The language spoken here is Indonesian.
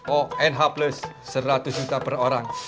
o n h plus seratus juta per orang